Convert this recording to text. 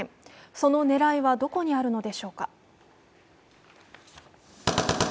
その狙いはどこにあるのでしょうか。